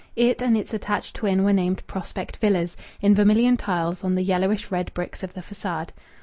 It and its attached twin were named "Prospect Villas" in vermilion tiles on the yellowish red bricks of the façade.